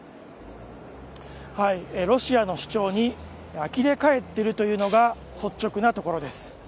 ロシアの主張にあきれ返ってるというのが率直なところです。